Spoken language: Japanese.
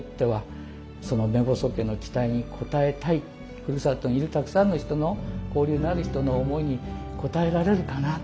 ふるさとにいるたくさんの人の交流のある人の思いに応えられるかなと。